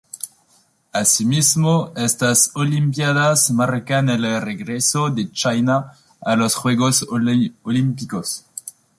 Asimismo, estas olimpiadas marcan el regreso de China a los juegos Olímpicos.